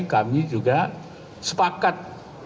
kami juga sepakat